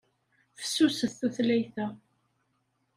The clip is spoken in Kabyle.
Fessuset tutlayt-a.